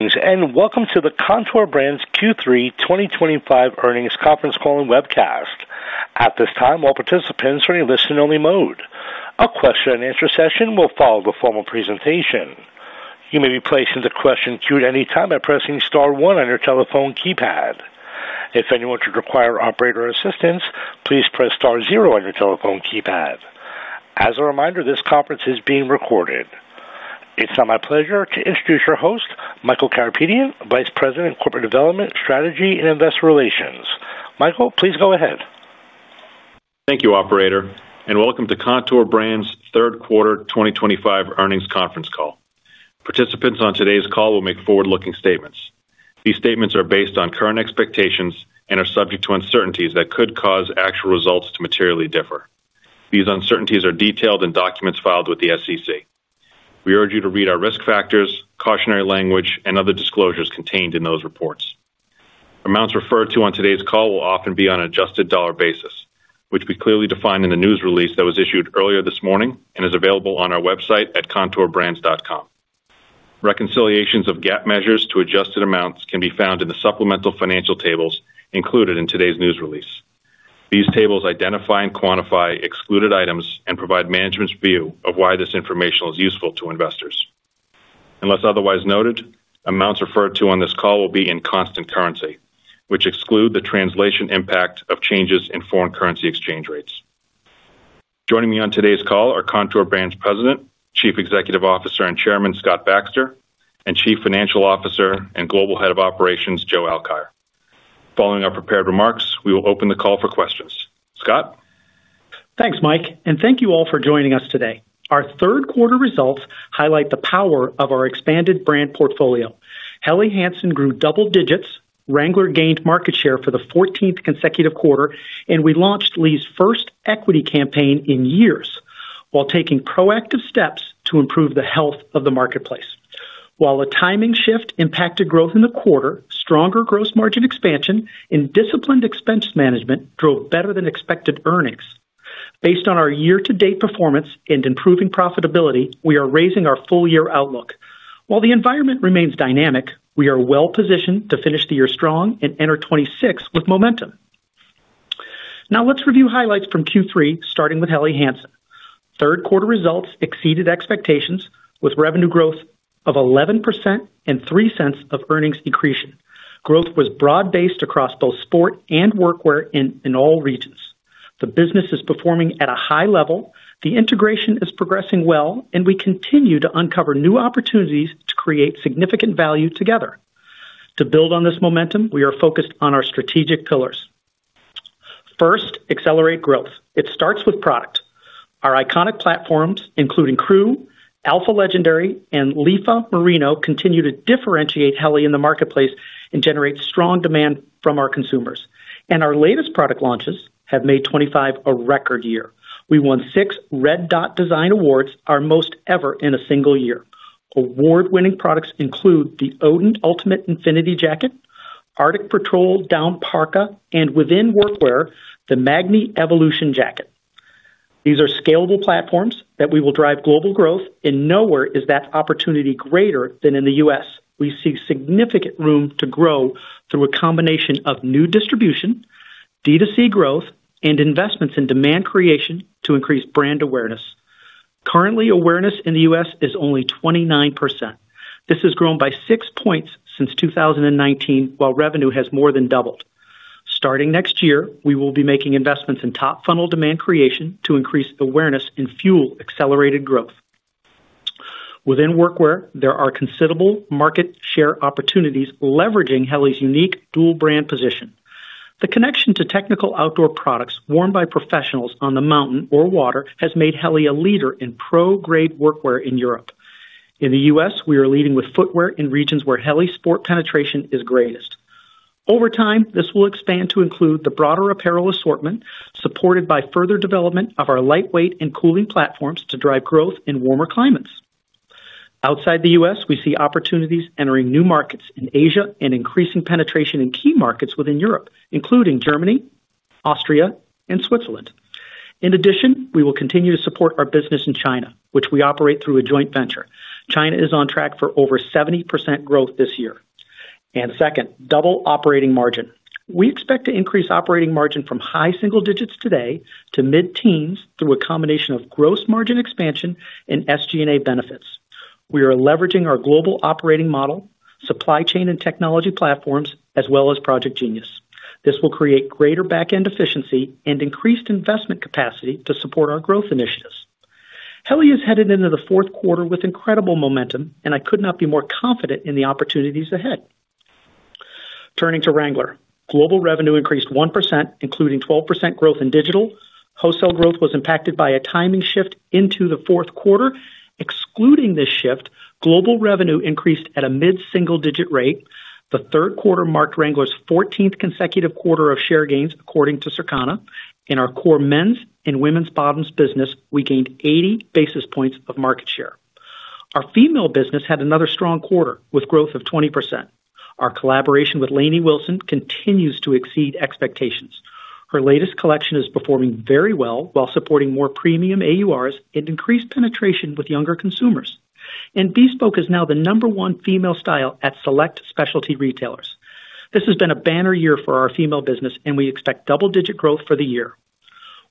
Welcome to the Kontoor Brands Q3 2025 earnings conference call and webcast. At this time, all participants are in a listen-only mode. A question-and-answer session will follow the formal presentation. You may be placed into the question queue at any time by pressing star one on your telephone keypad. If anyone should require operator assistance, please press star zero on your telephone keypad. As a reminder, this conference is being recorded. It is now my pleasure to introduce your host, Michael Karapetian, Vice President, Corporate Development, Strategy, and Investor Relations. Michael, please go ahead. Thank you, Operator, and welcome to Kontoor Brands' third quarter 2025 earnings conference call. Participants on today's call will make forward-looking statements. These statements are based on current expectations and are subject to uncertainties that could cause actual results to materially differ. These uncertainties are detailed in documents filed with the SEC. We urge you to read our risk factors, cautionary language, and other disclosures contained in those reports. Amounts referred to on today's call will often be on an adjusted dollar basis, which we clearly defined in the news release that was issued earlier this morning and is available on our website at kontoorbrands.com. Reconciliations of GAAP measures to adjusted amounts can be found in the supplemental financial tables included in today's news release. These tables identify and quantify excluded items and provide management's view of why this information is useful to investors. Unless otherwise noted, amounts referred to on this call will be in constant currency, which exclude the translation impact of changes in foreign currency exchange rates. Joining me on today's call are Kontoor Brands President, Chief Executive Officer and Chairman Scott Baxter, and Chief Financial Officer and Global Head of Operations, Joe Alkire. Following our prepared remarks, we will open the call for questions. Scott. Thanks, Mike, and thank you all for joining us today. Our third quarter results highlight the power of our expanded brand portfolio. Helly Hansen grew double digits, Wrangler gained market share for the 14th consecutive quarter, and we launched Lee's first equity campaign in years while taking proactive steps to improve the health of the marketplace. While a timing shift impacted growth in the quarter, stronger gross margin expansion and disciplined expense management drove better-than-expected earnings. Based on our year-to-date performance and improving profitability, we are raising our full-year outlook. While the environment remains dynamic, we are well-positioned to finish the year strong and enter 2026 with momentum. Now let's review highlights from Q3, starting with Helly Hansen. Third quarter results exceeded expectations with revenue growth of 11% and $0.03 of earnings decreasing. Growth was broad-based across both sport and workwear in all regions. The business is performing at a high level, the integration is progressing well, and we continue to uncover new opportunities to create significant value together. To build on this momentum, we are focused on our strategic pillars. First, accelerate growth. It starts with product. Our iconic platforms, including Crew, Alpha Legendary, and Lifa Merino, continue to differentiate Helly in the marketplace and generate strong demand from our consumers. Our latest product launches have made 2025 a record year. We won six Red Dot Design Awards, our most ever in a single year. Award-winning products include the Odin Ultimate Infinity Jacket, Arctic Patrol Down Parka, and within workwear, the Magni Evolution Jacket. These are scalable platforms that we will drive global growth, and nowhere is that opportunity greater than in the U.S. We see significant room to grow through a combination of new distribution, D2C growth, and investments in demand creation to increase brand awareness. Currently, awareness in the U.S. is only 29%. This has grown by six points since 2019, while revenue has more than doubled. Starting next year, we will be making investments in top funnel demand creation to increase awareness and fuel accelerated growth. Within workwear, there are considerable market share opportunities leveraging Helly's unique dual-brand position. The connection to technical outdoor products worn by professionals on the mountain or water has made Helly a leader in pro-grade workwear in Europe. In the U.S., we are leading with footwear in regions where Helly's sport penetration is greatest. Over time, this will expand to include the broader apparel assortment, supported by further development of our lightweight and cooling platforms to drive growth in warmer climates. Outside the U.S., we see opportunities entering new markets in Asia and increasing penetration in key markets within Europe, including Germany, Austria, and Switzerland. In addition, we will continue to support our business in China, which we operate through a joint venture. China is on track for over 70% growth this year. Second, double operating margin. We expect to increase operating margin from high single digits today to mid-teens through a combination of gross margin expansion and SG&A benefits. We are leveraging our global operating model, supply chain, and technology platforms, as well as Project Genius. This will create greater back-end efficiency and increased investment capacity to support our growth initiatives. Helly is headed into the fourth quarter with incredible momentum, and I could not be more confident in the opportunities ahead. Turning to Wrangler, global revenue increased 1%, including 12% growth in digital. Wholesale growth was impacted by a timing shift into the fourth quarter. Excluding this shift, global revenue increased at a mid-single-digit rate. The third quarter marked Wrangler's 14th consecutive quarter of share gains, according to Circana. In our core men's and women's bottoms business, we gained 80 basis points of market share. Our female business had another strong quarter with growth of 20%. Our collaboration with Lainey Wilson continues to exceed expectations. Her latest collection is performing very well while supporting more premium AURs and increased penetration with younger consumers. And Bespoke is now the number one female style at select specialty retailers. This has been a banner year for our female business, and we expect double-digit growth for the year.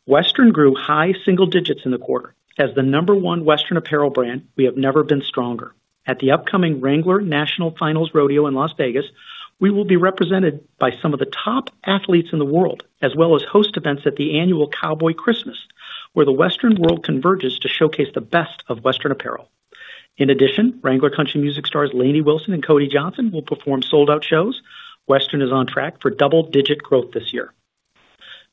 Western grew high single digits in the quarter. As the number one Western apparel brand, we have never been stronger. At the upcoming Wrangler National Finals Rodeo in Las Vegas, we will be represented by some of the top athletes in the world, as well as host events at the annual Cowboy Christmas, where the Western world converges to showcase the best of Western apparel. In addition, Wrangler country music stars Lainey Wilson and Cody Johnson will perform sold-out shows. Western is on track for double-digit growth this year.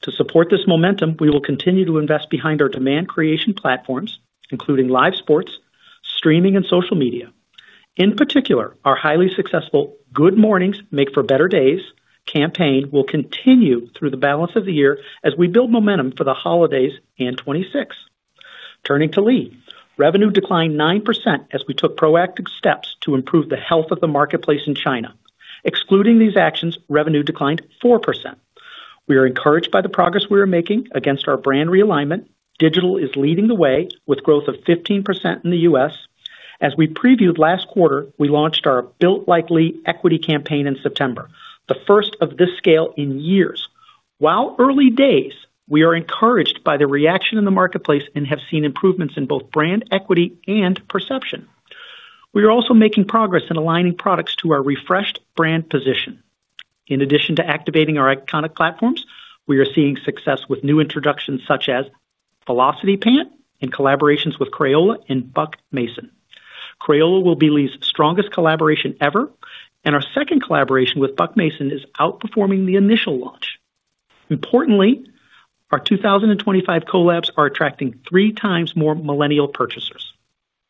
To support this momentum, we will continue to invest behind our demand creation platforms, including live sports, streaming, and social media. In particular, our highly successful "Good Mornings Make for Better Days" campaign will continue through the balance of the year as we build momentum for the holidays and 2026. Turning to Lee, revenue declined 9% as we took proactive steps to improve the health of the marketplace in China. Excluding these actions, revenue declined 4%. We are encouraged by the progress we are making against our brand realignment. Digital is leading the way with growth of 15% in the United States. As we previewed last quarter, we launched our Built Like Lee equity campaign in September, the first of this scale in years. While early days, we are encouraged by the reaction in the marketplace and have seen improvements in both brand equity and perception. We are also making progress in aligning products to our refreshed brand position. In addition to activating our iconic platforms, we are seeing success with new introductions such as Velocity Pant and collaborations with Crayola and Buck Mason. Crayola will be Lee's strongest collaboration ever, and our second collaboration with Buck Mason is outperforming the initial launch. Importantly, our 2025 collabs are attracting three times more millennial purchasers.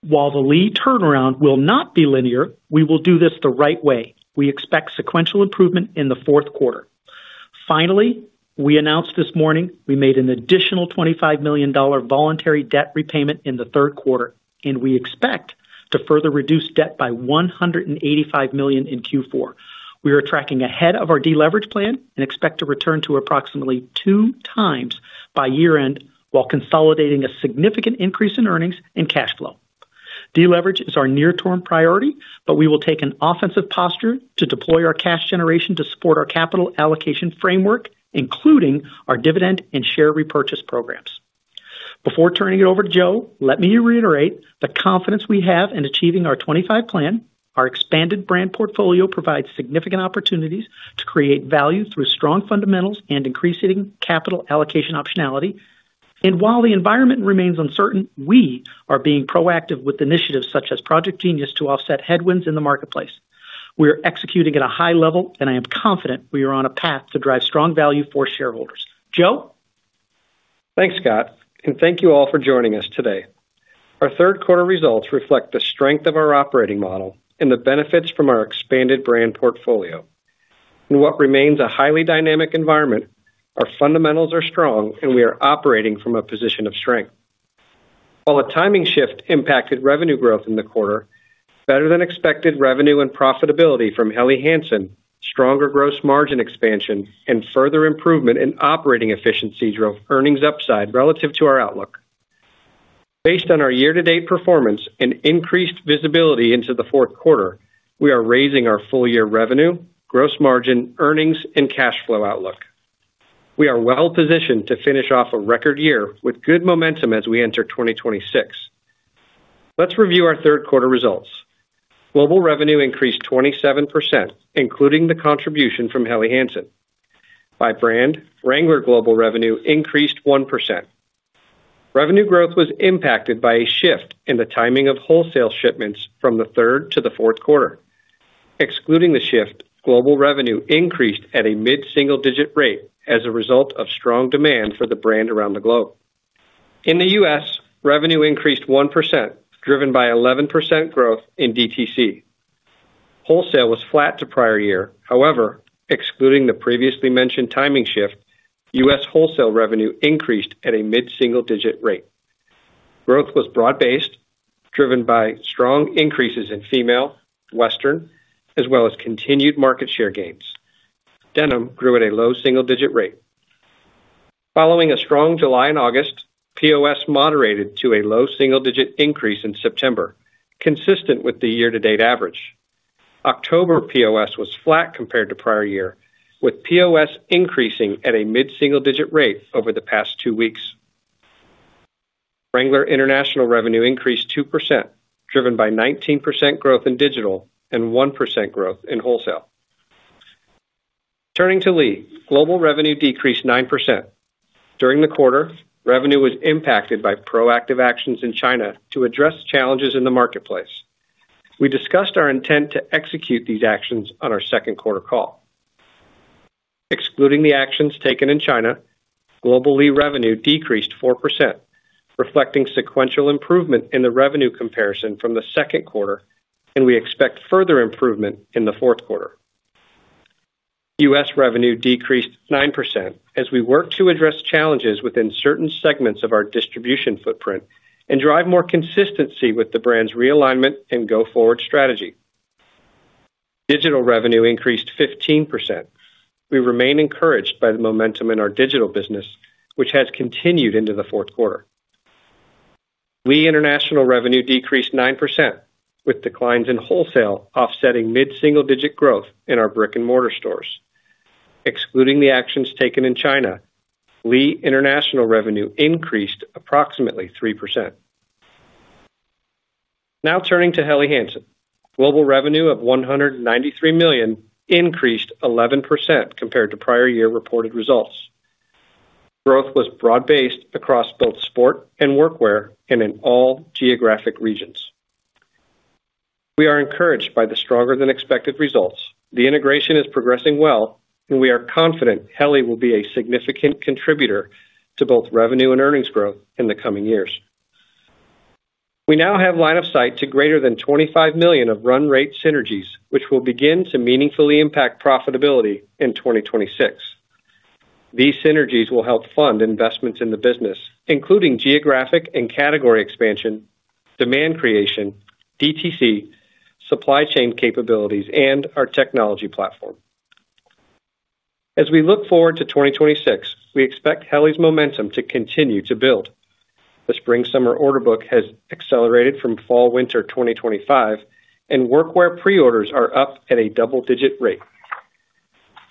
While the Lee turnaround will not be linear, we will do this the right way. We expect sequential improvement in the fourth quarter. Finally, we announced this morning we made an additional $25 million voluntary debt repayment in the third quarter, and we expect to further reduce debt by $185 million in Q4. We are tracking ahead of our deleverage plan and expect to return to approximately two times by year-end while consolidating a significant increase in earnings and cash flow. Deleverage is our near-term priority, but we will take an offensive posture to deploy our cash generation to support our capital allocation framework, including our dividend and share repurchase programs. Before turning it over to Joe, let me reiterate the confidence we have in achieving our 2025 plan. Our expanded brand portfolio provides significant opportunities to create value through strong fundamentals and increasing capital allocation optionality. While the environment remains uncertain, we are being proactive with initiatives such as Project Genius to offset headwinds in the marketplace. We are executing at a high level, and I am confident we are on a path to drive strong value for shareholders. Joe. Thanks, Scott, and thank you all for joining us today. Our third quarter results reflect the strength of our operating model and the benefits from our expanded brand portfolio. In what remains a highly dynamic environment, our fundamentals are strong, and we are operating from a position of strength. While a timing shift impacted revenue growth in the quarter, better-than-expected revenue and profitability from Helly Hansen, stronger gross margin expansion, and further improvement in operating efficiency drove earnings upside relative to our outlook. Based on our year-to-date performance and increased visibility into the fourth quarter, we are raising our full-year revenue, gross margin, earnings, and cash flow outlook. We are well-positioned to finish off a record year with good momentum as we enter 2026. Let's review our third quarter results. Global revenue increased 27%, including the contribution from Helly Hansen. By brand, Wrangler global revenue increased 1%. Revenue growth was impacted by a shift in the timing of wholesale shipments from the third to the fourth quarter. Excluding the shift, global revenue increased at a mid-single-digit rate as a result of strong demand for the brand around the globe. In the U.S., revenue increased 1%, driven by 11% growth in D2C. Wholesale was flat to prior year. However, excluding the previously mentioned timing shift, U.S. wholesale revenue increased at a mid-single-digit rate. Growth was broad-based, driven by strong increases in female, Western, as well as continued market share gains. Denim grew at a low single-digit rate. Following a strong July and August, POS moderated to a low single-digit increase in September, consistent with the year-to-date average. October POS was flat compared to prior year, with POS increasing at a mid-single-digit rate over the past two weeks. Wrangler international revenue increased 2%, driven by 19% growth in digital and 1% growth in wholesale. Turning to Lee, global revenue decreased 9%. During the quarter, revenue was impacted by proactive actions in China to address challenges in the marketplace. We discussed our intent to execute these actions on our second quarter call. Excluding the actions taken in China, global Lee revenue decreased 4%, reflecting sequential improvement in the revenue comparison from the second quarter, and we expect further improvement in the fourth quarter. U.S. revenue decreased 9% as we work to address challenges within certain segments of our distribution footprint and drive more consistency with the brand's realignment and go-forward strategy. Digital revenue increased 15%. We remain encouraged by the momentum in our digital business, which has continued into the fourth quarter. Lee international revenue decreased 9%, with declines in wholesale offsetting mid-single-digit growth in our brick-and-mortar stores. Excluding the actions taken in China, Lee international revenue increased approximately 3%. Now turning to Helly Hansen. Global revenue of $193 million increased 11% compared to prior year reported results. Growth was broad-based across both sport and workwear and in all geographic regions. We are encouraged by the stronger-than-expected results. The integration is progressing well, and we are confident Helly will be a significant contributor to both revenue and earnings growth in the coming years. We now have line of sight to greater than $25 million of run-rate synergies, which will begin to meaningfully impact profitability in 2026. These synergies will help fund investments in the business, including geographic and category expansion, demand creation, D2C, supply chain capabilities, and our technology platform. As we look forward to 2026, we expect Helly's momentum to continue to build. The spring-summer order book has accelerated from fall-winter 2025, and workwear preorders are up at a double-digit rate.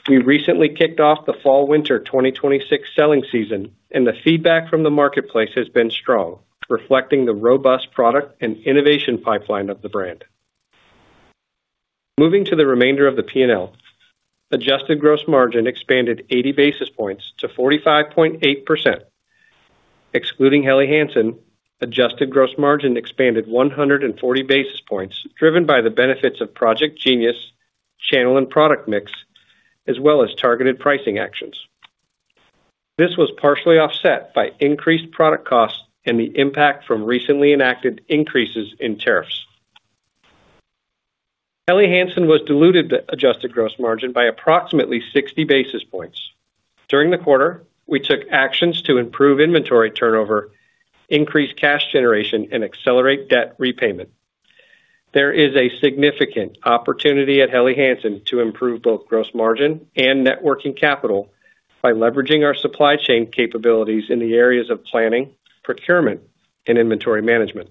We recently kicked off the fall-winter 2026 selling season, and the feedback from the marketplace has been strong, reflecting the robust product and innovation pipeline of the brand. Moving to the remainder of the P&L, adjusted gross margin expanded 80 basis points to 45.8%. Excluding Helly Hansen, adjusted gross margin expanded 140 basis points, driven by the benefits of Project Genius, channel and product mix, as well as targeted pricing actions. This was partially offset by increased product costs and the impact from recently enacted increases in tariffs. Helly Hansen was dilutive to adjusted gross margin by approximately 60 basis points. During the quarter, we took actions to improve inventory turnover, increase cash generation, and accelerate debt repayment. There is a significant opportunity at Helly Hansen to improve both gross margin and net working capital by leveraging our supply chain capabilities in the areas of planning, procurement, and inventory management.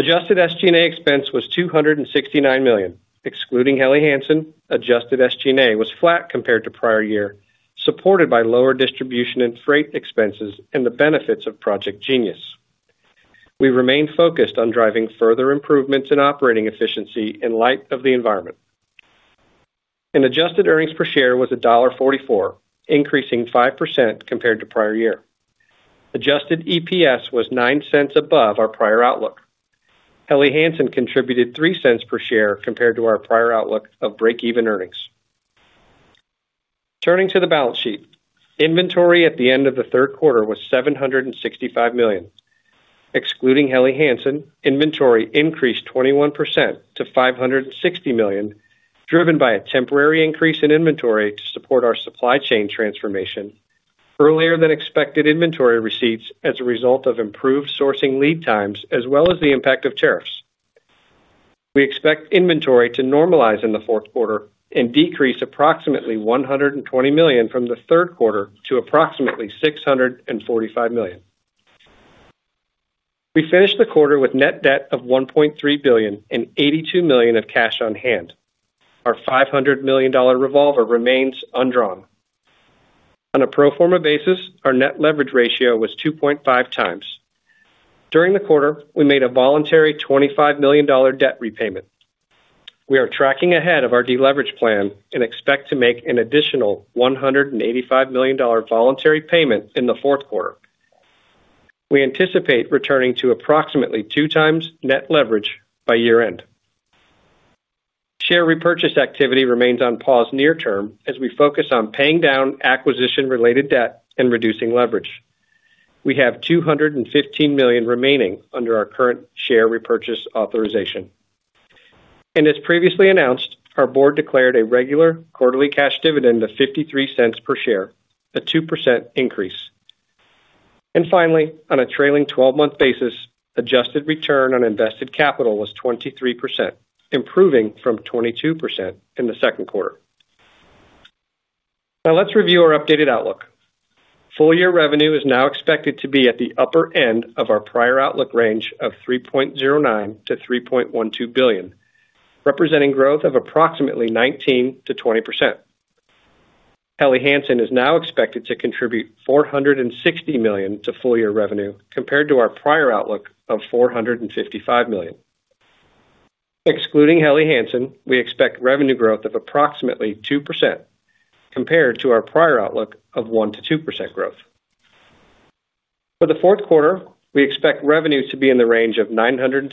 Adjusted SG&A expense was $269 million. Excluding Helly Hansen, adjusted SG&A was flat compared to prior year, supported by lower distribution and freight expenses and the benefits of Project Genius. We remain focused on driving further improvements in operating efficiency in light of the environment. Adjusted earnings per share was $1.44, increasing 5% compared to prior year. Adjusted EPS was $0.09 above our prior outlook. Helly Hansen contributed $0.03 per share compared to our prior outlook of break-even earnings. Turning to the balance sheet, inventory at the end of the third quarter was $765 million. Excluding Helly Hansen, inventory increased 21% to $560 million, driven by a temporary increase in inventory to support our supply chain transformation, earlier-than-expected inventory receipts as a result of improved sourcing lead times, as well as the impact of tariffs. We expect inventory to normalize in the fourth quarter and decrease approximately $120 million from the third quarter to approximately $645 million. We finished the quarter with net debt of $1.3 billion and $82 million of cash on hand. Our $500 million revolver remains undrawn. On a pro forma basis, our net leverage ratio was 2.5 times. During the quarter, we made a voluntary $25 million debt repayment. We are tracking ahead of our deleverage plan and expect to make an additional $185 million voluntary payment in the fourth quarter. We anticipate returning to approximately two times net leverage by year-end. Share repurchase activity remains on pause near-term as we focus on paying down acquisition-related debt and reducing leverage. We have $215 million remaining under our current share repurchase authorization. As previously announced, our board declared a regular quarterly cash dividend of $0.53 per share, a 2% increase. Finally, on a trailing 12-month basis, adjusted return on invested capital was 23%, improving from 22% in the second quarter. Now let's review our updated outlook. Full-year revenue is now expected to be at the upper end of our prior outlook range of $3.09 billion-$3.12 billion, representing growth of approximately 19%-20%. Helly Hansen is now expected to contribute $460 million to full-year revenue compared to our prior outlook of $455 million. Excluding Helly Hansen, we expect revenue growth of approximately 2%, compared to our prior outlook of 1%-2% growth. For the fourth quarter, we expect revenue to be in the range of $970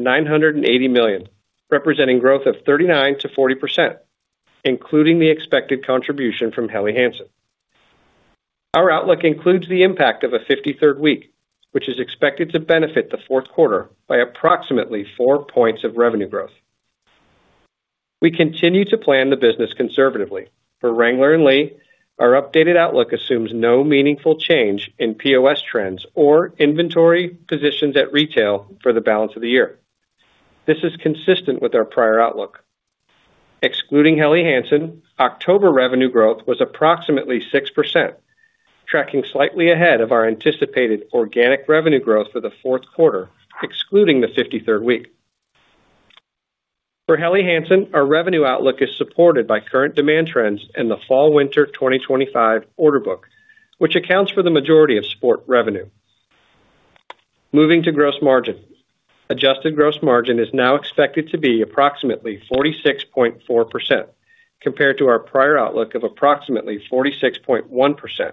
million-$980 million, representing growth of 39%-40%, including the expected contribution from Helly Hansen. Our outlook includes the impact of a 53rd week, which is expected to benefit the fourth quarter by approximately 4 points of revenue growth. We continue to plan the business conservatively. For Wrangler and Lee, our updated outlook assumes no meaningful change in POS trends or inventory positions at retail for the balance of the year. This is consistent with our prior outlook. Excluding Helly Hansen, October revenue growth was approximately 6%, tracking slightly ahead of our anticipated organic revenue growth for the fourth quarter, excluding the 53rd week. For Helly Hansen, our revenue outlook is supported by current demand trends and the fall-winter 2025 order book, which accounts for the majority of sport revenue. Moving to gross margin, adjusted gross margin is now expected to be approximately 46.4% compared to our prior outlook of approximately 46.1%.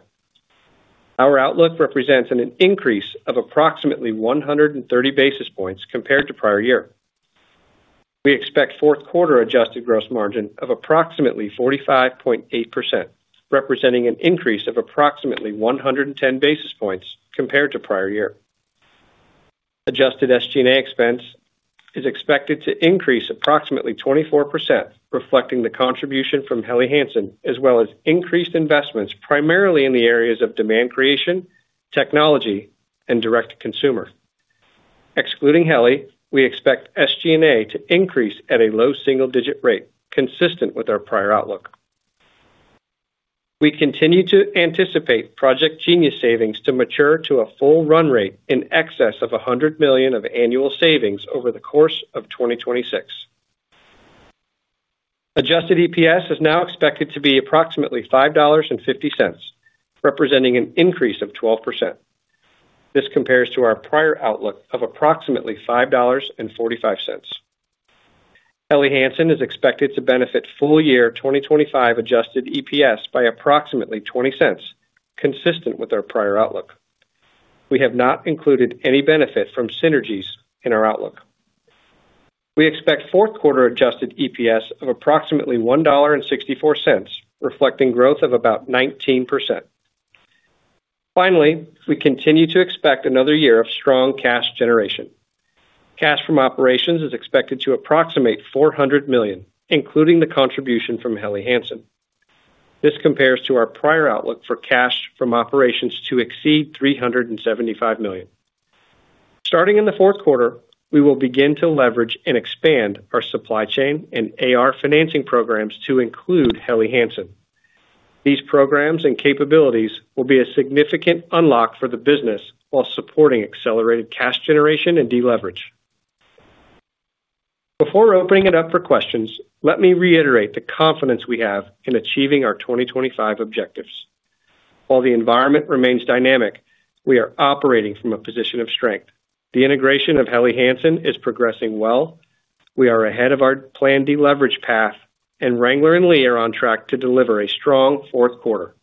Our outlook represents an increase of approximately 130 basis points compared to prior year. We expect fourth quarter adjusted gross margin of approximately 45.8%, representing an increase of approximately 110 basis points compared to prior year. Adjusted SG&A expense is expected to increase approximately 24%, reflecting the contribution from Helly Hansen, as well as increased investments primarily in the areas of demand creation, technology, and direct-to-consumer. Excluding Helly, we expect SG&A to increase at a low single-digit rate, consistent with our prior outlook. We continue to anticipate Project Genius savings to mature to a full run rate in excess of $100 million of annual savings over the course of 2026. Adjusted EPS is now expected to be approximately $5.50, representing an increase of 12%. This compares to our prior outlook of approximately $5.45. Helly Hansen is expected to benefit full-year 2025 adjusted EPS by approximately $0.20, consistent with our prior outlook. We have not included any benefit from synergies in our outlook. We expect fourth quarter adjusted EPS of approximately $1.64, reflecting growth of about 19%. Finally, we continue to expect another year of strong cash generation. Cash from operations is expected to approximate $400 million, including the contribution from Helly Hansen. This compares to our prior outlook for cash from operations to exceed $375 million. Starting in the fourth quarter, we will begin to leverage and expand our supply chain and AR financing programs to include Helly Hansen. These programs and capabilities will be a significant unlock for the business while supporting accelerated cash generation and deleverage. Before opening it up for questions, let me reiterate the confidence we have in achieving our 2025 objectives. While the environment remains dynamic, we are operating from a position of strength. The integration of Helly Hansen is progressing well. We are ahead of our planned deleverage path, and Wrangler and Lee are on track to deliver a strong fourth quarter.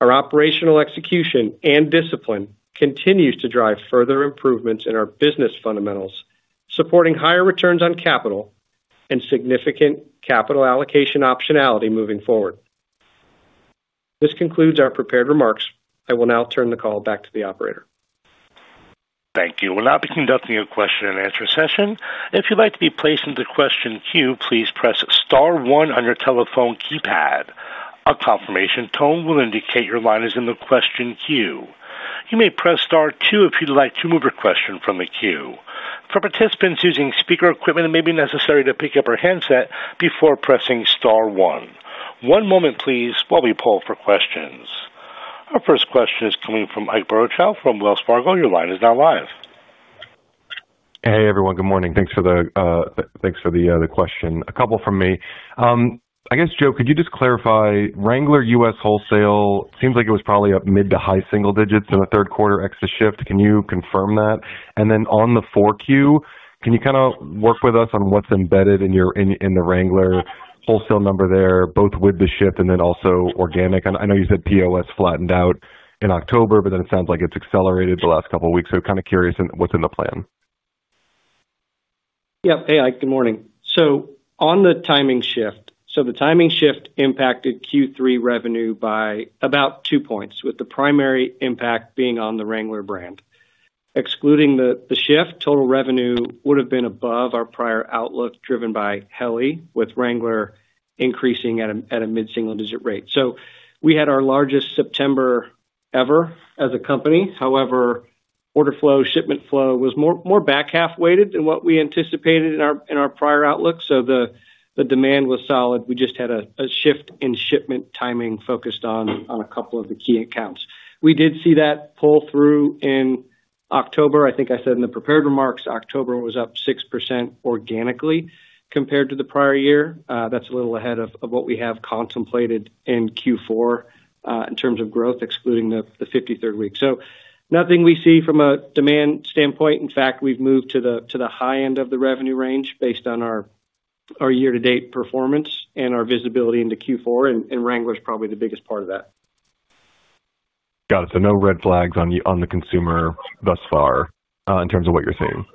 Our operational execution and discipline continues to drive further improvements in our business fundamentals, supporting higher returns on capital and significant capital allocation optionality moving forward. This concludes our prepared remarks. I will now turn the call back to the operator. Thank you. We'll now be conducting a question-and-answer session. If you'd like to be placed in the question queue, please press Star one on your telephone keypad. A confirmation tone will indicate your line is in the question queue. You may press Star two if you'd like to move your question from the queue. For participants using speaker equipment, it may be necessary to pick up your handset before pressing Star one. One moment, please, while we poll for questions. Our first question is coming from Ike Boruchow from Wells Fargo. Your line is now live. Hey, everyone. Good morning. Thanks for the question. A couple from me. I guess, Joe, could you just clarify Wrangler US wholesale? It seems like it was probably up mid to high single digits in the third quarter ex the shift. Can you confirm that? And then on the fourth quarter, can you kind of work with us on what's embedded in the Wrangler wholesale number there, both with the shift and then also organic? I know you said POS flattened out in October, but then it sounds like it's accelerated the last couple of weeks. So kind of curious what's in the plan. Yep. Hey, Ike. Good morning. On the timing shift, the timing shift impacted Q3 revenue by about two points, with the primary impact being on the Wrangler brand. Excluding the shift, total revenue would have been above our prior outlook driven by Helly, with Wrangler increasing at a mid-single digit rate. We had our largest September ever as a company. However, order flow, shipment flow was more back half-weighted than what we anticipated in our prior outlook. The demand was solid. We just had a shift in shipment timing focused on a couple of the key accounts. We did see that pull through in October. I think I said in the prepared remarks, October was up 6% organically compared to the prior year. That's a little ahead of what we have contemplated in Q4 in terms of growth, excluding the 53rd week. Nothing we see from a demand standpoint. In fact, we've moved to the high end of the revenue range based on our year-to-date performance and our visibility into Q4. Wrangler is probably the biggest part of that. Got it. No red flags on the consumer thus far in terms of what you're seeing.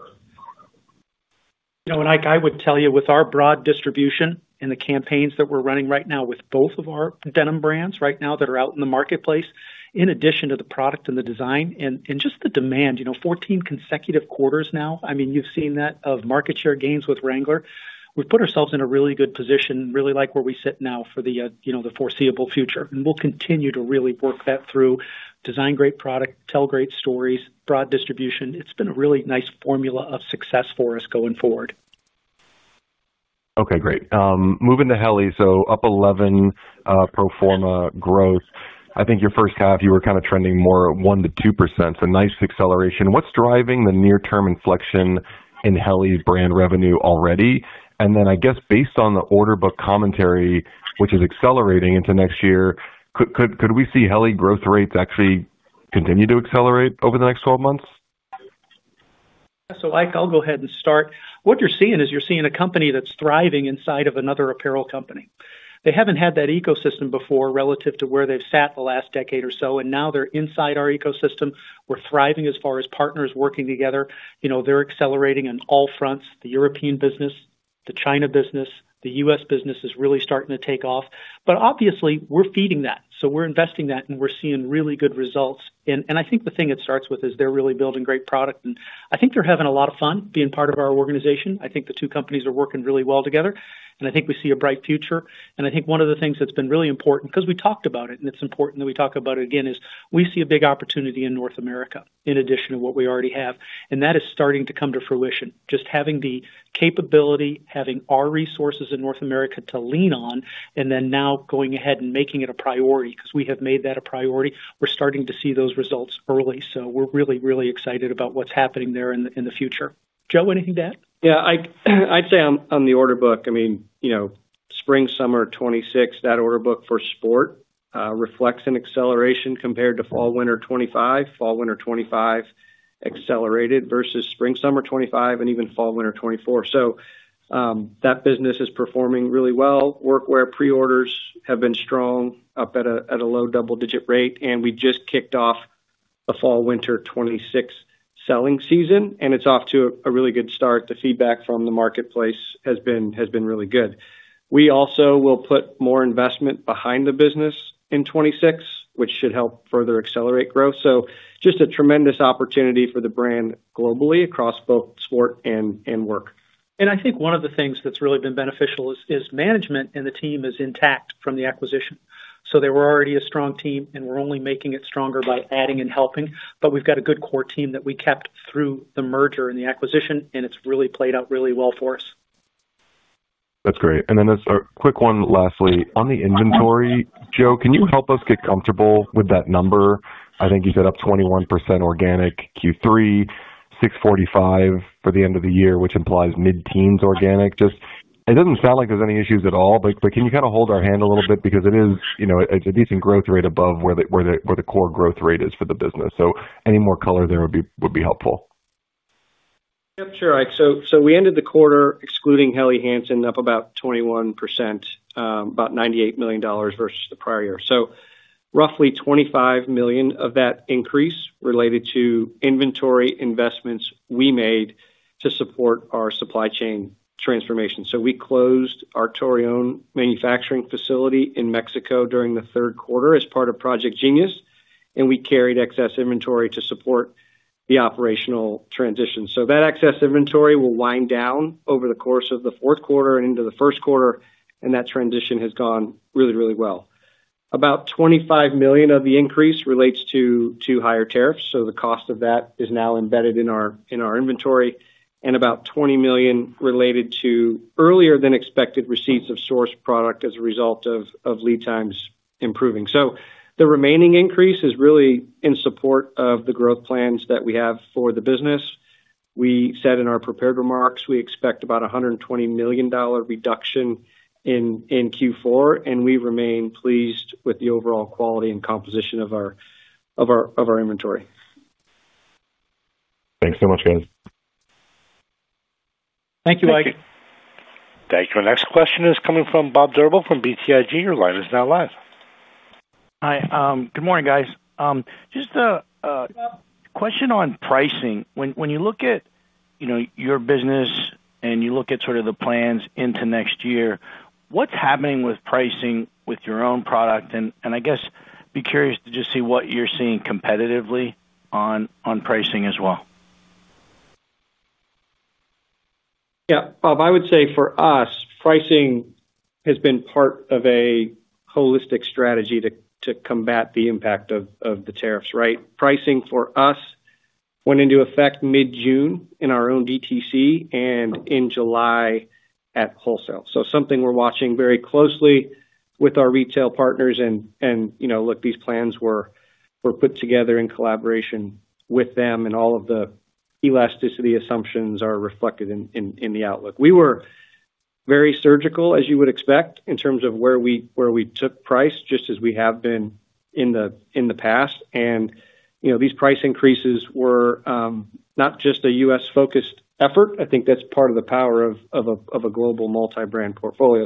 Ike would tell you, with our broad distribution and the campaigns that we're running right now with both of our denim brands that are out in the marketplace, in addition to the product and the design and just the demand, 14 consecutive quarters now, I mean, you've seen that of market share gains with Wrangler. We've put ourselves in a really good position, really like where we sit now for the foreseeable future. We'll continue to really work that through. Design great product, tell great stories, broad distribution. It's been a really nice formula of success for us going forward. Okay. Great. Moving to Helly. Up 11% pro forma growth. I think your first half, you were kind of trending more 1%-2%. Nice acceleration. What's driving the near-term inflection in Helly's brand revenue already? Based on the order book commentary, which is accelerating into next year, could we see Helly growth rates actually continue to accelerate over the next 12 months? Ike, I'll go ahead and start. What you're seeing is you're seeing a company that's thriving inside of another apparel company. They haven't had that ecosystem before relative to where they've sat the last decade or so. Now they're inside our ecosystem. We're thriving as far as partners working together. They're accelerating on all fronts. The European business, the China business, the US business is really starting to take off. Obviously, we're feeding that. We're investing that, and we're seeing really good results. I think the thing it starts with is they're really building great product. I think they're having a lot of fun being part of our organization. I think the two companies are working really well together. I think we see a bright future. One of the things that's been really important, because we talked about it, and it's important that we talk about it again, is we see a big opportunity in North America in addition to what we already have. That is starting to come to fruition. Just having the capability, having our resources in North America to lean on, and then now going ahead and making it a priority because we have made that a priority, we're starting to see those results early. We're really, really excited about what's happening there in the future. Joe, anything to add? Yeah. I'd say on the order book, I mean. Spring/Summer 2026, that order book for sport reflects an acceleration compared to fall/winter 2025. Fall/winter 2025 accelerated versus spring/summer 2025 and even fall/winter 2024. That business is performing really well. Workwear preorders have been strong, up at a low double-digit rate. We just kicked off a fall/winter 2026 selling season, and it is off to a really good start. The feedback from the marketplace has been really good. We also will put more investment behind the business in 2026, which should help further accelerate growth. Just a tremendous opportunity for the brand globally across both sport and work. I think one of the things that has really been beneficial is management and the team is intact from the acquisition. They were already a strong team, and we are only making it stronger by adding and helping. We have got a good core team that we kept through the merger and the acquisition, and it has really played out really well for us. That is great. A quick one lastly. On the inventory, Joe, can you help us get comfortable with that number? I think you said up 21% organic Q3, 645 for the end of the year, which implies mid-teens organic. It does not sound like there are any issues at all, but can you kind of hold our hand a little bit? Because it is a decent growth rate above where the core growth rate is for the business. Any more color there would be helpful. Yep. Sure, Ike. We ended the quarter excluding Helly Hansen, up about 21%. About $98 million versus the prior year. Roughly $25 million of that increase related to inventory investments we made to support our supply chain transformation. We closed our Torreón manufacturing facility in Mexico during the third quarter as part of Project Genius, and we carried excess inventory to support the operational transition. That excess inventory will wind down over the course of the fourth quarter and into the first quarter, and that transition has gone really, really well. About $25 million of the increase relates to higher tariffs. The cost of that is now embedded in our inventory. About $20 million related to earlier-than-expected receipts of source product as a result of lead times improving. The remaining increase is really in support of the growth plans that we have for the business. We said in our prepared remarks, we expect about a $120 million reduction in Q4, and we remain pleased with the overall quality and composition of our inventory. Thanks so much, guys. Thank you, Ike. Thank you. Thank you. Our next question is coming from Bob Drbul from BTIG. Your line is now live. Hi. Good morning, guys. Just a question on pricing. When you look at your business and you look at sort of the plans into next year, what is happening with pricing with your own product? I guess be curious to just see what you're seeing competitively on pricing as well. Yeah. Bob, I would say for us, pricing has been part of a holistic strategy to combat the impact of the tariffs, right? Pricing for us went into effect mid-June in our own D2C and in July at wholesale. This is something we're watching very closely with our retail partners. These plans were put together in collaboration with them, and all of the elasticity assumptions are reflected in the outlook. We were very surgical, as you would expect, in terms of where we took price, just as we have been in the past. These price increases were not just a U.S.-focused effort. I think that's part of the power of a global multi-brand portfolio.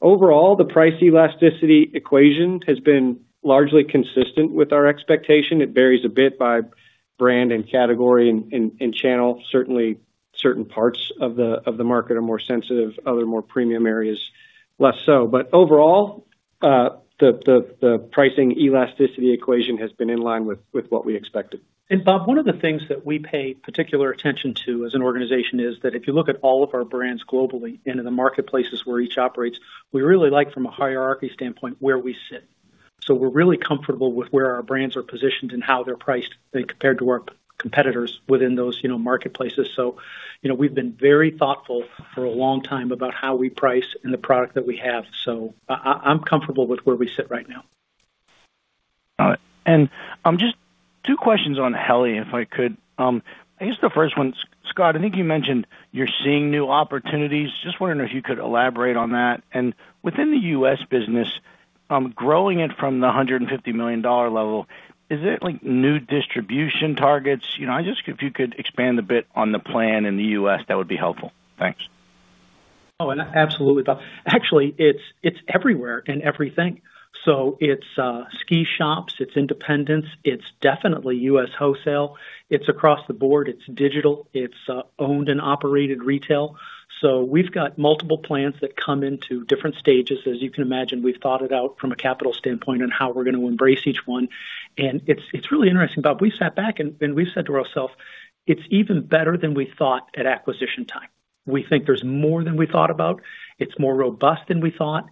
Overall, the price elasticity equation has been largely consistent with our expectation. It varies a bit by brand and category and channel. Certainly, certain parts of the market are more sensitive. Other more premium areas, less so. Overall, the pricing elasticity equation has been in line with what we expected. Bob, one of the things that we pay particular attention to as an organization is that if you look at all of our brands globally and in the marketplaces where each operates, we really like, from a hierarchy standpoint, where we sit. We are really comfortable with where our brands are positioned and how they're priced compared to our competitors within those marketplaces. We have been very thoughtful for a long time about how we price and the product that we have. I'm comfortable with where we sit right now. Got it. Just two questions on Helly Hansen, if I could. I guess the first one, Scott, I think you mentioned you're seeing new opportunities. Just wondering if you could elaborate on that. Within the U.S. business, growing it from the $150 million level, is it new distribution targets? If you could expand a bit on the plan in the U.S., that would be helpful. Thanks. Oh, absolutely, Bob. Actually, it's everywhere in everything. It's ski shops, it's independents, it's definitely U.S. wholesale. It's across the board. It's digital. It's owned and operated retail. We have multiple plans that come into different stages. As you can imagine, we've thought it out from a capital standpoint and how we're going to embrace each one. It's really interesting, Bob. We sat back and we said to ourselves, "It's even better than we thought at acquisition time." We think there's more than we thought about. It's more robust than we thought.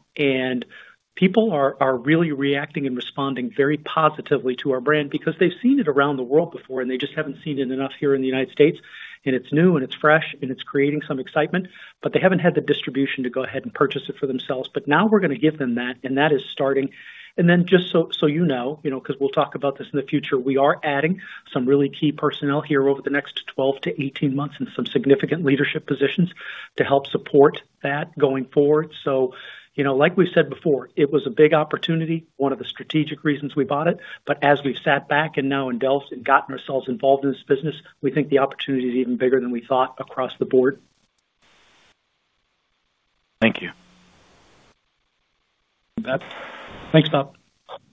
People are really reacting and responding very positively to our brand because they've seen it around the world before, and they just haven't seen it enough here in the United States. It's new, and it's fresh, and it's creating some excitement. They haven't had the distribution to go ahead and purchase it for themselves. But now we're going to give them that, and that is starting. Just so you know, because we'll talk about this in the future, we are adding some really key personnel here over the next 12-18 months and some significant leadership positions to help support that going forward. Like we've said before, it was a big opportunity, one of the strategic reasons we bought it. As we've sat back and now indulged and gotten ourselves involved in this business, we think the opportunity is even bigger than we thought across the board. Thank you. Thanks, Bob.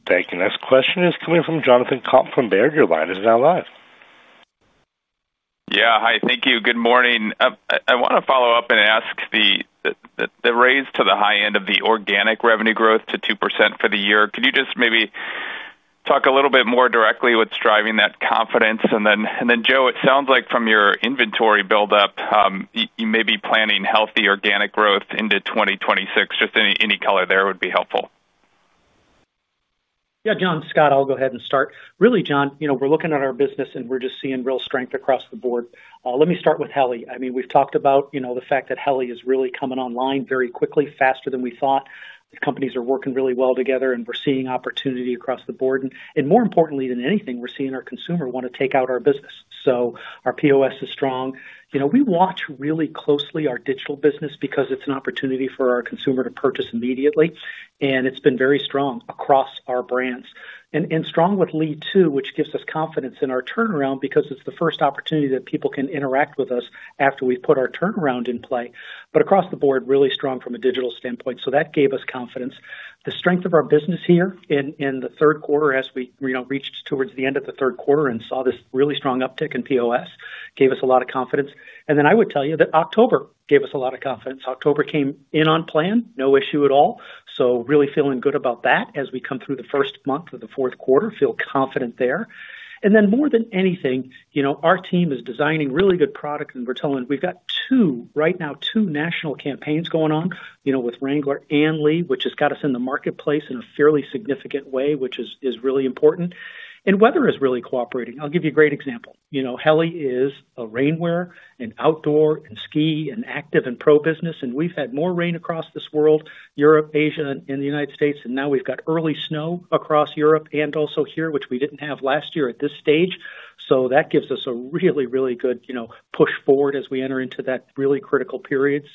Thank you. Next question is coming from Jonathan Komp from Baird. Your line is now live. Yeah. Hi. Thank you. Good morning. I want to follow up and ask the raise to the high end of the organic revenue growth to 2% for the year. Could you just maybe talk a little bit more directly what's driving that confidence? Joe, it sounds like from your inventory buildup, you may be planning healthy organic growth into 2026. Just any color there would be helpful. Yeah. John, Scott, I'll go ahead and start. Really, John, we're looking at our business, and we're just seeing real strength across the board. Let me start with Helly. I mean, we've talked about the fact that Helly is really coming online very quickly, faster than we thought. The companies are working really well together, and we're seeing opportunity across the board. More importantly than anything, we're seeing our consumer want to take out our business. Our POS is strong. We watch really closely our digital business because it's an opportunity for our consumer to purchase immediately. It's been very strong across our brands. Strong with Lee too, which gives us confidence in our turnaround because it's the first opportunity that people can interact with us after we've put our turnaround in play. Across the board, really strong from a digital standpoint. That gave us confidence. The strength of our business here in the third quarter, as we reached towards the end of the third quarter and saw this really strong uptick in POS, gave us a lot of confidence. I would tell you that October gave us a lot of confidence. October came in on plan, no issue at all. Really feeling good about that as we come through the first month of the fourth quarter, feel confident there. More than anything, our team is designing really good product, and we're telling them we've got two, right now, two national campaigns going on with Wrangler and Lee, which has got us in the marketplace in a fairly significant way, which is really important. Weather is really cooperating. I'll give you a great example. Helly is a rainwear and outdoor and ski and active and pro business. We've had more rain across this world, Europe, Asia, and the United States. Now we've got early snow across Europe and also here, which we didn't have last year at this stage. That gives us a really, really good push forward as we enter into that really critical period.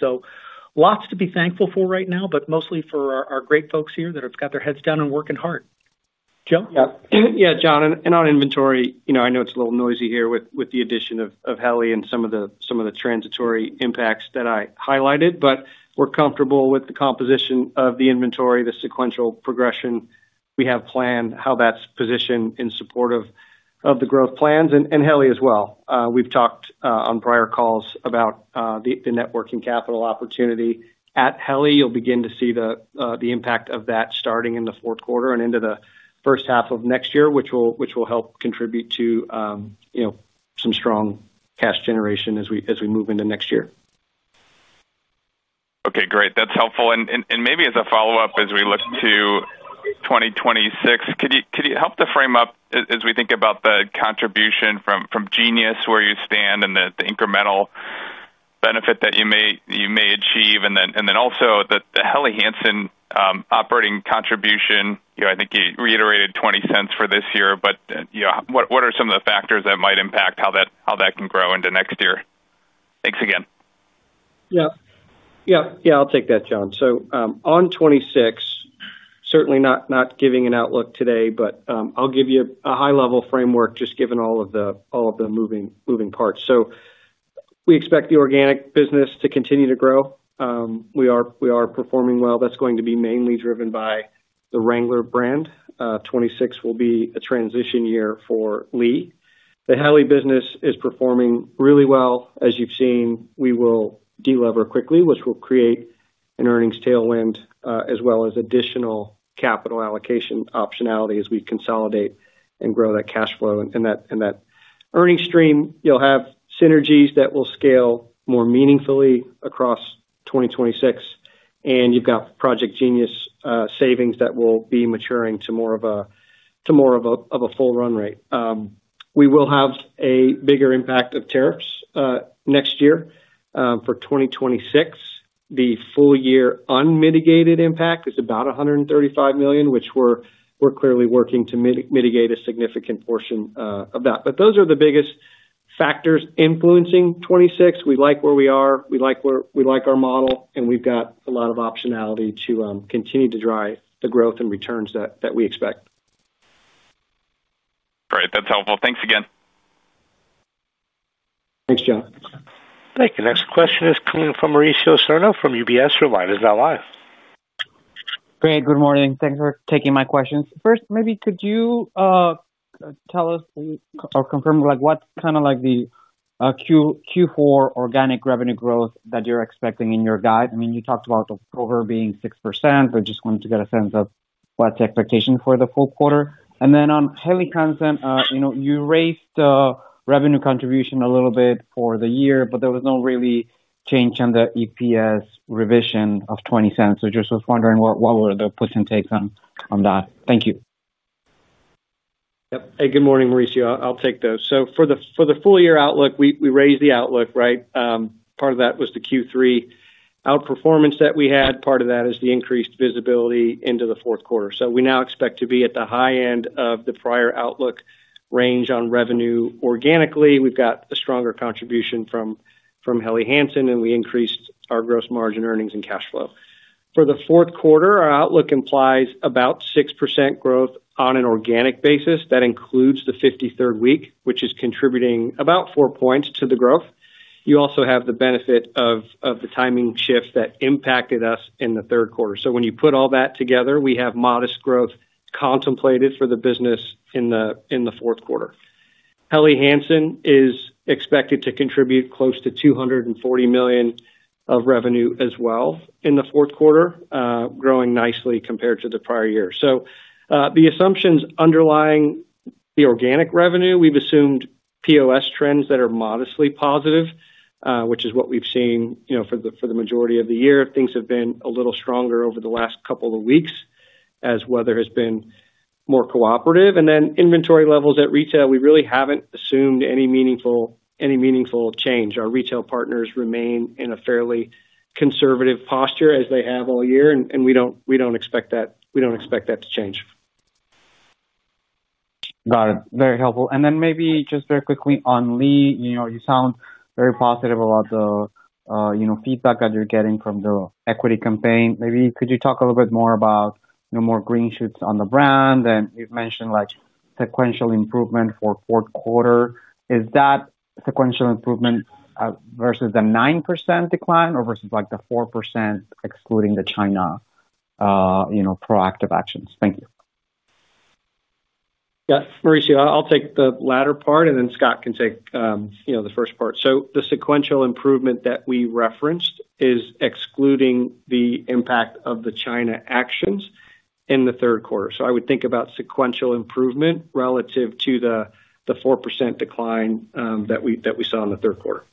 Lots to be thankful for right now, but mostly for our great folks here that have got their heads down and working hard. Joe? Yeah, John. On inventory, I know it's a little noisy here with the addition of Helly and some of the transitory impacts that I highlighted. We're comfortable with the composition of the inventory, the sequential progression we have planned, how that's positioned in support of the growth plans. Helly as well. We've talked on prior calls about the networking capital opportunity at Helly. You'll begin to see the impact of that starting in the fourth quarter and into the first half of next year, which will help contribute to some strong cash generation as we move into next year. Okay. Great. That's helpful. Maybe as a follow-up, as we look to 2026, could you help to frame up, as we think about the contribution from Genius, where you stand, and the incremental benefit that you may achieve? Then also the Helly Hansen operating contribution. I think you reiterated $0.20 for this year. What are some of the factors that might impact how that can grow into next year? Thanks again. Yeah. Yeah. Yeah. I'll take that, John. On 2026, certainly not giving an outlook today, but I'll give you a high-level framework just given all of the moving parts. We expect the organic business to continue to grow. We are performing well. That's going to be mainly driven by the Wrangler brand. 2026 will be a transition year for Lee. The Helly business is performing really well. As you've seen, we will deliver quickly, which will create an earnings tailwind as well as additional capital allocation optionality as we consolidate and grow that cash flow. That earnings stream, you'll have synergies that will scale more meaningfully across 2026. You've got Project Genius savings that will be maturing to more of a full run rate. We will have a bigger impact of tariffs next year. For 2026, the full-year unmitigated impact is about $135 million, which we're clearly working to mitigate a significant portion of that. Those are the biggest factors influencing 2026. We like where we are. We like our model. We've got a lot of optionality to continue to drive the growth and returns that we expect. All right. That's helpful. Thanks again. Thanks, John. Thank you. Next question is coming from Mauricio Serna from UBS. Your line is now live. Great. Good morning. Thanks for taking my questions. First, maybe could you tell us or confirm what kind of the Q4 organic revenue growth that you're expecting in your guide? I mean, you talked about October being 6%. I just wanted to get a sense of what's the expectation for the full quarter. And then on Helly Hansen, you raised the revenue contribution a little bit for the year, but there was no really change in the EPS revision of $0.20. So just was wondering what were the puts and takes on that? Thank you. Yep. Hey, good morning, Mauricio. I'll take those. For the full-year outlook, we raised the outlook, right? Part of that was the Q3 outperformance that we had. Part of that is the increased visibility into the fourth quarter. We now expect to be at the high end of the prior outlook range on revenue organically. We've got a stronger contribution from Helly Hansen, and we increased our gross margin, earnings, and cash flow. For the fourth quarter, our outlook implies about 6% growth on an organic basis. That includes the 53rd week, which is contributing about four points to the growth. You also have the benefit of the timing shift that impacted us in the third quarter. When you put all that together, we have modest growth contemplated for the business in the fourth quarter. Helly Hansen is expected to contribute close to $240 million of revenue as well in the fourth quarter, growing nicely compared to the prior year. The assumptions underlying the organic revenue, we've assumed POS trends that are modestly positive, which is what we've seen for the majority of the year. Things have been a little stronger over the last couple of weeks as weather has been more cooperative. Inventory levels at retail, we really haven't assumed any meaningful change. Our retail partners remain in a fairly conservative posture as they have all year, and we don't expect that. We don't expect that to change. Got it. Very helpful. Maybe just very quickly on Lee, you sound very positive about the feedback that you're getting from the equity campaign. Maybe could you talk a little bit more about more green shoots on the brand? And you've mentioned sequential improvement for fourth quarter. Is that sequential improvement versus the 9% decline or versus the 4% excluding the China proactive actions? Thank you. Yeah. Mauricio, I'll take the latter part, and then Scott can take the first part. The sequential improvement that we referenced is excluding the impact of the China actions in the third quarter. I would think about sequential improvement relative to the 4% decline that we saw in the third quarter.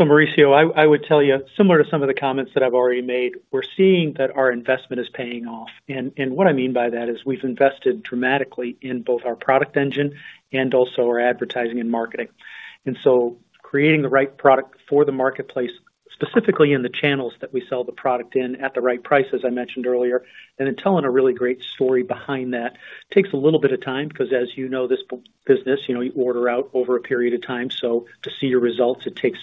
Mauricio, I would tell you, similar to some of the comments that I've already made, we're seeing that our investment is paying off. What I mean by that is we've invested dramatically in both our product engine and also our advertising and marketing. Creating the right product for the marketplace, specifically in the channels that we sell the product in at the right price, as I mentioned earlier, and then telling a really great story behind that takes a little bit of time because, as you know, this business, you order out over a period of time. To see your results, it takes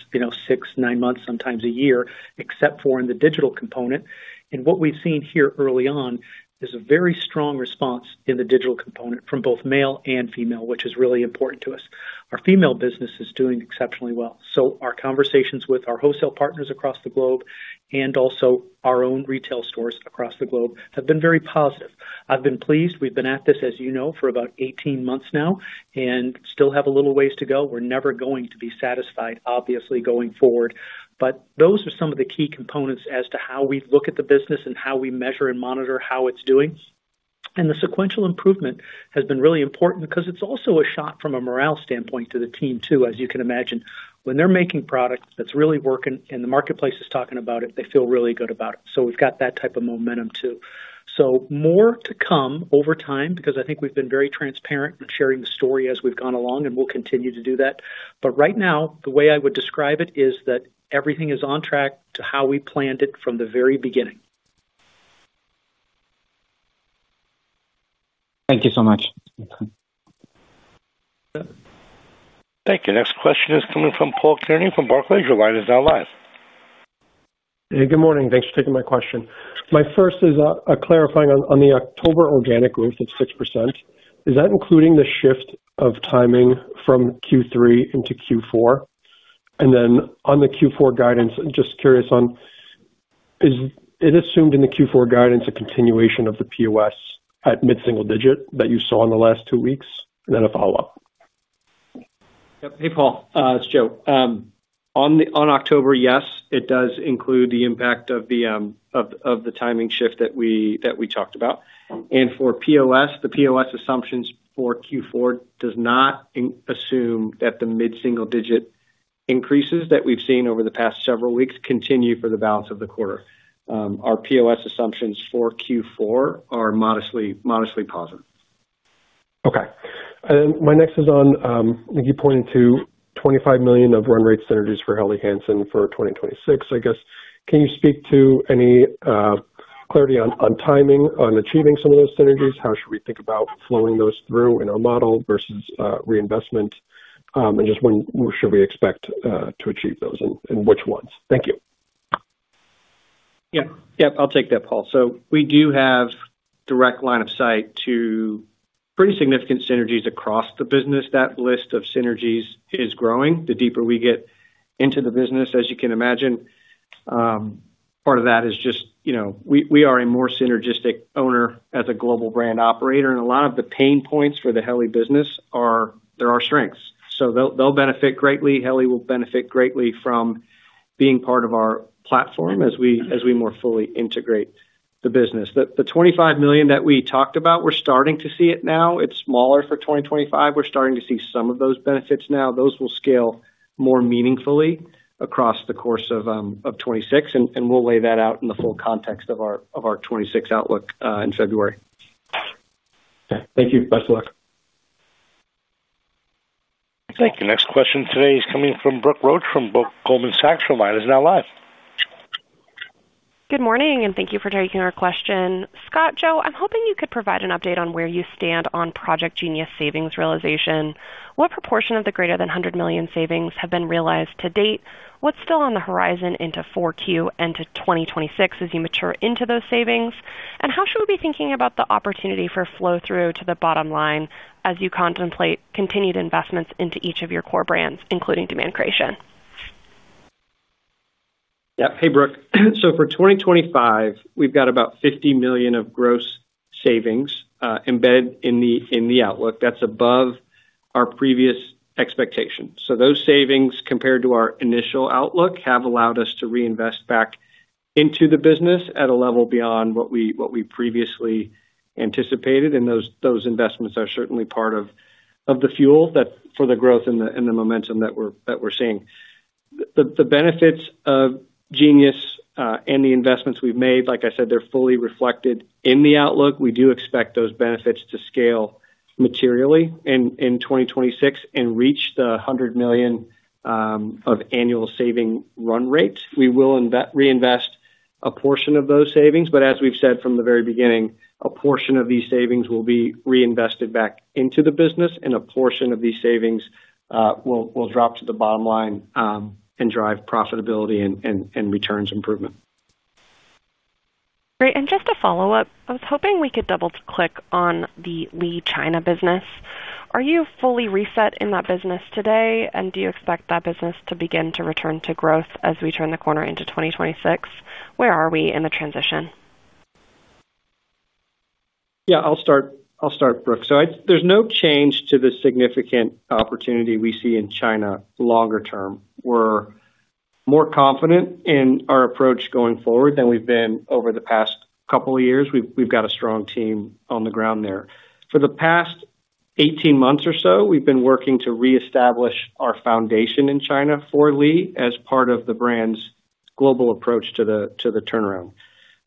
six, nine months, sometimes a year, except for in the digital component. What we've seen here early on is a very strong response in the digital component from both male and female, which is really important to us. Our female business is doing exceptionally well. Our conversations with our wholesale partners across the globe and also our own retail stores across the globe have been very positive. I've been pleased. We've been at this, as you know, for about 18 months now and still have a little ways to go. We're never going to be satisfied, obviously, going forward. Those are some of the key components as to how we look at the business and how we measure and monitor how it's doing. The sequential improvement has been really important because it's also a shot from a morale standpoint to the team too, as you can imagine. When they're making product that's really working and the marketplace is talking about it, they feel really good about it. We've got that type of momentum too. More to come over time because I think we've been very transparent in sharing the story as we've gone along, and we'll continue to do that. Right now, the way I would describe it is that everything is on track to how we planned it from the very beginning. Thank you so much. Thank you. Next question is coming from Paul Kearney from Barclays. Your line is now live. Hey, good morning. Thanks for taking my question. My first is a clarifying on the October organic growth of 6%. Is that including the shift of timing from Q3 into Q4? On the Q4 guidance, I'm just curious on. Is it assumed in the Q4 guidance a continuation of the POS at mid-single digit that you saw in the last two weeks? And then a follow-up. Yep. Hey, Paul. It's Joe. On October, yes, it does include the impact of the timing shift that we talked about. For POS, the POS assumptions for Q4 do not assume that the mid-single digit increases that we've seen over the past several weeks continue for the balance of the quarter. Our POS assumptions for Q4 are modestly positive. Okay. My next is on, I think you pointed to $25 million of run-rate synergies for Helly Hansen for 2026. I guess, can you speak to any clarity on timing, on achieving some of those synergies? How should we think about flowing those through in our model versus reinvestment? And just when should we expect to achieve those and which ones? Thank you. Yep. I'll take that, Paul. We do have direct line of sight to pretty significant synergies across the business. That list of synergies is growing the deeper we get into the business, as you can imagine. Part of that is just we are a more synergistic owner as a global brand operator. A lot of the pain points for the Helly business are our strengths. Helly will benefit greatly from being part of our platform as we more fully integrate the business. The $25 million that we talked about, we're starting to see it now. It's smaller for 2025. We're starting to see some of those benefits now. Those will scale more meaningfully across the course of 2026. We'll lay that out in the full context of our 2026 outlook in February. Okay. Thank you. Best of luck. Thank you. Next question today is coming from Brooke Roach from Goldman Sachs. Your line is now live. Good morning, and thank you for taking our question. Scott, Joe, I'm hoping you could provide an update on where you stand on Project Genius savings realization. What proportion of the greater than $100 million savings have been realized to date? What's still on the horizon into 4Q and to 2026 as you mature into those savings? How should we be thinking about the opportunity for flow-through to the bottom line as you contemplate continued investments into each of your core bra nds, including demand creation? Yeah. Hey, Brooke. For 2025, we've got about $50 million of gross savings embedded in the outlook. That's above our previous expectation. Those savings, compared to our initial outlook, have allowed us to reinvest back into the business at a level beyond what we previously anticipated. Those investments are certainly part of the fuel for the growth and the momentum that we're seeing. The benefits of Genius and the investments we've made, like I said, they're fully reflected in the outlook. We do expect those benefits to scale materially in 2026 and reach the $100 million of annual saving run rate. We will reinvest a portion of those savings. As we've said from the very beginning, a portion of these savings will be reinvested back into the business, and a portion of these savings will drop to the bottom line and drive profitability and returns improvement. Great. Just to follow up, I was hoping we could double-click on the Lee China business. Are you fully reset in that business today, and do you expect that business to begin to return to growth as we turn the corner into 2026? Where are we in the transition? Yeah. I'll start, Brooke. There's no change to the significant opportunity we see in China longer term. We're more confident in our approach going forward than we've been over the past couple of years. We've got a strong team on the ground there. For the past 18 months or so, we've been working to reestablish our foundation in China for Lee as part of the brand's global approach to the turnaround.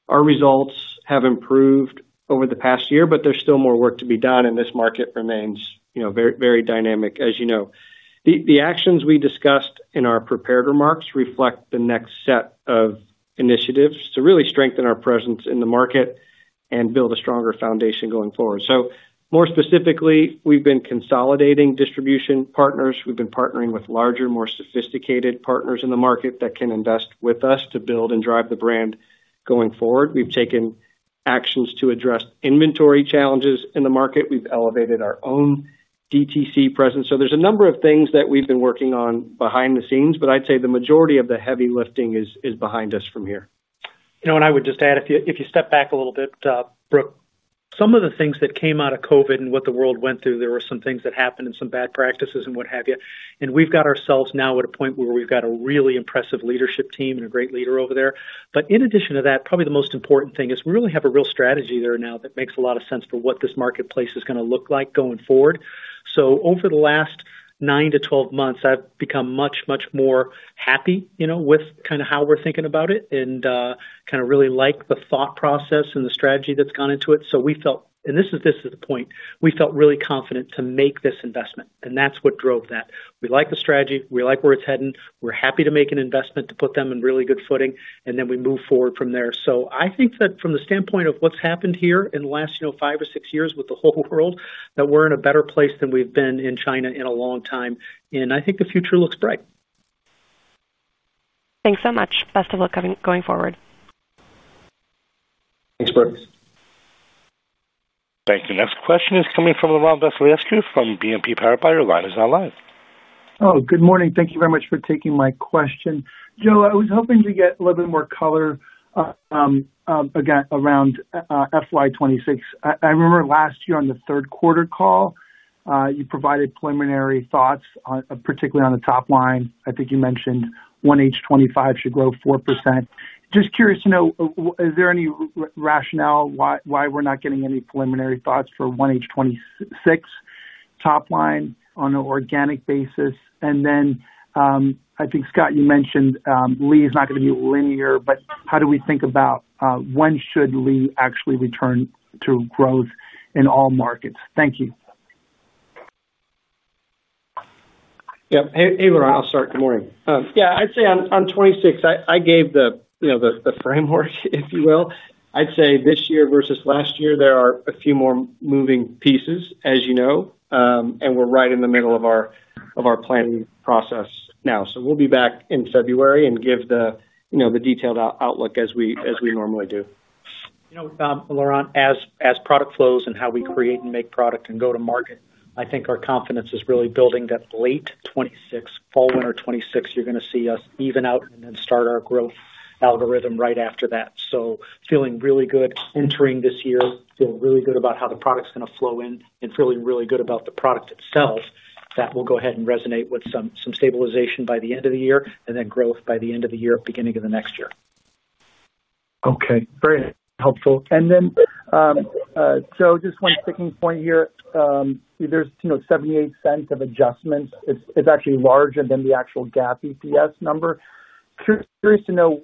Our results have improved over the past year, but there's still more work to be done, and this market remains very dynamic, as you know. The actions we discussed in our prepared remarks reflect the next set of initiatives to really strengthen our presence in the market and build a stronger foundation going forward. More specifically, we've been consolidating distribution partners. We've been partnering with larger, more sophisticated partners in the market that can invest with us to build and drive the brand going forward. We've taken actions to address inventory challenges in the market. We've elevated our own DTC presence. There are a number of things that we've been working on behind the scenes, but I'd say the majority of the heavy lifting is behind us from here. You know what? I would just add, if you step back a little bit, Brooke, some of the things that came out of COVID and what the world went through, there were some things that happened and some bad practices and what have you. We've got ourselves now at a point where we've got a really impressive leadership team and a great leader over there. In addition to that, probably the most important thing is we really have a real strategy there now that makes a lot of sense for what this marketplace is going to look like going forward. Over the last 9 to 12 months, I've become much, much more happy with kind of how we're thinking about it and kind of really like the thought process and the strategy that's gone into it. We felt, and this is the point, we felt really confident to make this investment. That's what drove that. We like the strategy. We like where it's heading. We're happy to make an investment to put them in really good footing, and then we move forward from there. I think that from the standpoint of what's happened here in the last five or six years with the whole world, that we're in a better place than we've been in China in a long time. I think the future looks bright. Thanks so much. Best of luck going forward. Thanks, Brooke. Thank you. Next question is coming from Laurent Vasilescu from BNP Paribas. Your line is now live. Oh, good morning. Thank you very much for taking my question. Joe, I was hoping to get a little bit more color around FY26. I remember last year on the third quarter call you provided preliminary thoughts, particularly on the top line. I think you mentioned 1H25 should grow 4%. Just curious to know, is there any rationale why we're not getting any preliminary thoughts for 1H26 top line on an organic basis? And then. I think, Scott, you mentioned Lee is not going to be linear, but how do we think about. When should Lee actually return to growth in all markets? Thank you. Yep. Hey, Laurent. I'll start. Good morning. Yeah. I'd say on 2026, I gave the. Framework, if you will. I'd say this year versus last year, there are a few more moving pieces, as you know, and we're right in the middle of our planning process now. We will be back in February and give the detailed outlook as we normally do. You know, Laurent, as product flows and how we create and make product and go to market, I think our confidence is really building that late 2026, fall, winter 2026, you're going to see us even out and then start our growth algorithm right after that. Feeling really good entering this year, feeling really good about how the product's going to flow in, and feeling really good about the product itself, that will go ahead and resonate with some stabilization by the end of the year and then growth by the end of the year, beginning of the next year. Okay. Very helpful. And then. Just one sticking point here. There is $0.78 of adjustments. It's actually larger than the actual GAAP EPS number. Curious to know.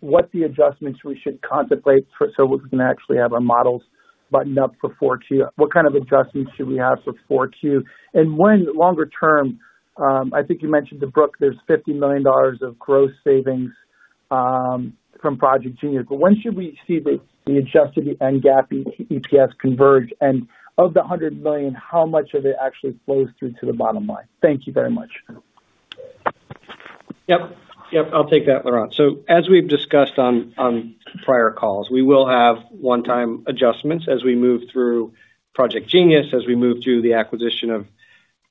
What the adjustments we should contemplate so we can actually have our models buttoned up for Q4. What kind of adjustments should we have for Q4? And when longer term, I think you mentioned to Brooke, there is $50 million of gross savings. From Project Genius. When should we see the adjusted and GAAP EPS converge? And of the $100 million, how much of it actually flows through to the bottom line? Thank you very much. Yep. Yep. I'll take that, Laurent. As we've discussed on prior calls, we will have one-time adjustments as we move through Project Genius, as we move through the acquisition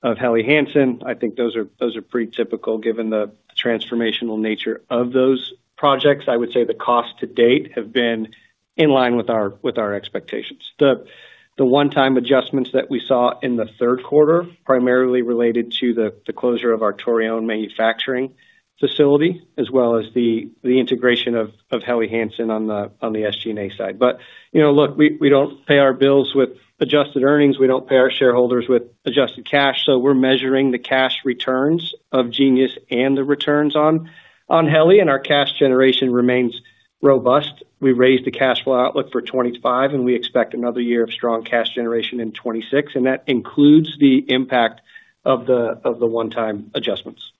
of Helly Hansen. I think those are pretty typical given the transformational nature of those projects. I would say the costs to date have been in line with our expectations. The one-time adjustments that we saw in the third quarter primarily related to the closure of our Torreón manufacturing facility, as well as the integration of Helly Hansen on the SG&A side. Look, we don't pay our bills with adjusted earnings. We don't pay our shareholders with adjusted cash. We are measuring the cash returns of Genius and the returns on Helly, and our cash generation remains robust. We raised the cash flow outlook for 2025, and we expect another year of strong cash generation in 2026. That includes the impact of the one-time adjustments.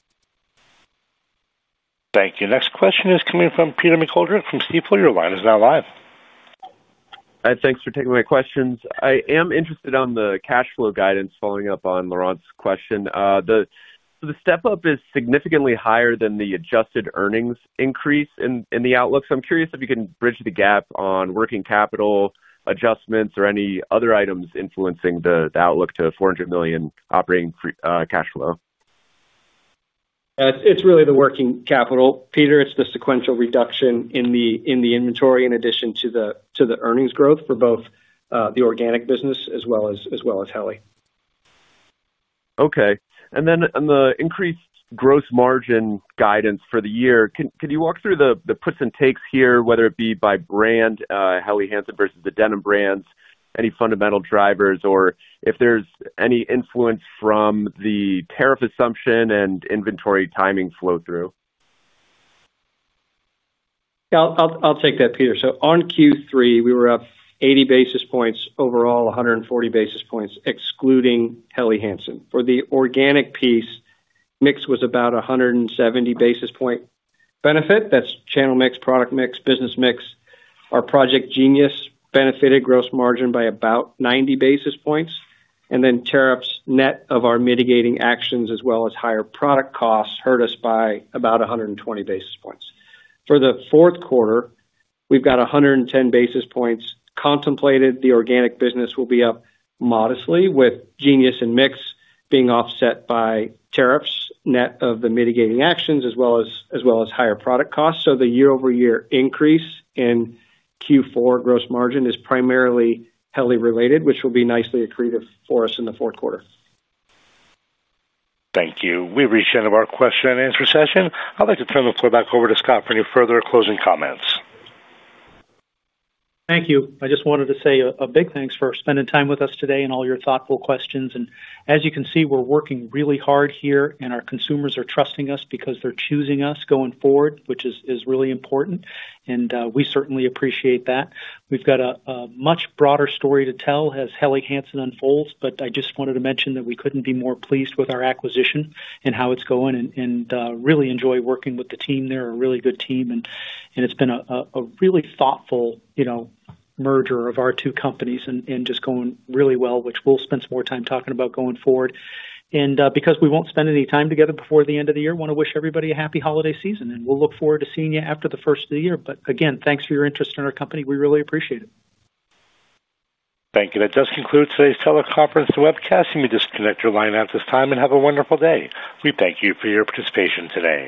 Thank you. Next question is coming from Peter McGoldrick from Stifel. Your line is now live. Hi, thanks for taking my questions. I am interested on the cash flow guidance following up on Laurent's question. So the step-up is significantly higher than the adjusted earnings increase in the outlook. I'm curious if you can bridge the gap on working capital adjustments or any other items influencing the outlook to $400 million operating cash flow. It's really the working capital, Peter. It's the sequential reduction in the inventory in addition to the earnings growth for both the organic business as well as Helly. Okay. And then on the increased gross margin guidance for the year, could you walk through the puts and takes here, whether it be by brand, Helly Hansen versus the denim brands, any fundamental drivers, or if there's any influence from the tariff assumption and inventory timing flow-through? Yeah. I'll take that, Peter. On Q3, we were up 80 basis points, overall 140 basis points, excluding Helly Hansen. For the organic piece, mix was about 170 basis point benefit. That's channel mix, product mix, business mix. Our Project Genius benefited gross margin by about 90 basis points. Tariffs net of our mitigating actions as well as higher product costs hurt us by about 120 basis points. For the fourth quarter, we've got 110 basis points contemplated. The organic business will be up modestly, with Genius and mix being offset by tariffs net of the mitigating actions as well as higher product costs. The year-over-year increase in Q4 gross margin is primarily Helly-related, which will be nicely accretive for us in the fourth quarter. Thank you. We reached the end of our question and answer session. I'd like to turn the floor back over to Scott for any further closing comments. Thank you. I just wanted to say a big thanks for spending time with us today and all your thoughtful questions. As you can see, we're working really hard here, and our consumers are trusting us because they're choosing us going forward, which is really important. We certainly appreciate that. We've got a much broader story to tell as Helly Hansen unfolds, but I just wanted to mention that we couldn't be more pleased with our acquisition and how it's going and really enjoy working with the team. They're a really good team, and it's been a really thoughtful merger of our two companies and just going really well, which we'll spend some more time talking about going forward. Because we won't spend any time together before the end of the year, I want to wish everybody a happy holiday season. We'll look forward to seeing you after the first of the year. Again, thanks for your interest in our company. We really appreciate it. Thank you. That does conclude today's teleconference and webcast. You may disconnect your line at this time and have a wonderful day. We thank you for your participation today.